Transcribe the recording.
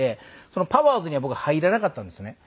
そのパワーズには僕は入れなかったんですね。